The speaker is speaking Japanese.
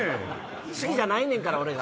好きじゃないねんから俺が。